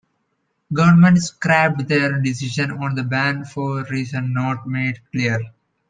Government scrapped their decision on the ban for reasons not made clear.